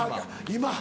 今。